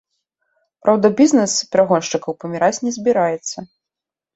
Праўда, бізнэс перагоншчыкаў паміраць не збіраецца.